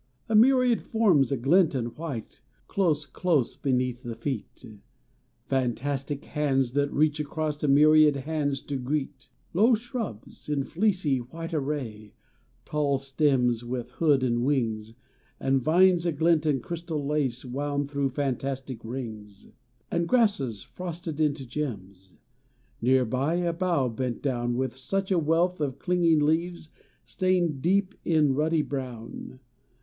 A myriad forms a glint and white Close, close beneath the feet; Fantastic hands that reach across A myriad hands to greet; Low shrubs in fleecy, white array, Tall stems with hood and wings, And vines a glint in crystal lace Wound through fantastic rings; And grasses frosted into gems; Near by a bough bent down With such a wealth of clinging leaves Stained deep in ruddy brown.